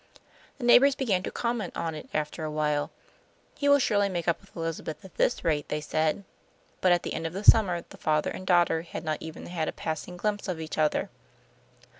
The neighbours began to comment on it after awhile. "He will surely make up with Elizabeth at this rate," they said. But at the end of the summer the father and daughter had not even had a passing glimpse of each other.